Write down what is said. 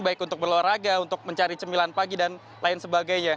baik untuk berolahraga untuk mencari cemilan pagi dan lain sebagainya